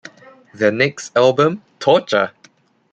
Their next album Torcha!